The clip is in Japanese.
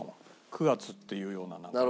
９月っていうような。